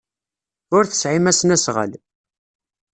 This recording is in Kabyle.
Ur tesɛim asnasɣal.